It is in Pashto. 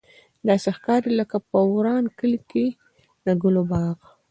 داسې ښکاري لکه په وران کلي کې د ګلو باغ.